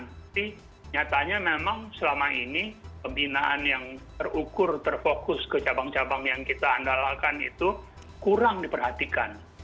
tapi nyatanya memang selama ini pembinaan yang terukur terfokus ke cabang cabang yang kita andalkan itu kurang diperhatikan